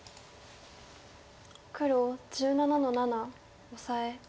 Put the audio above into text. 黒１７の七オサエ。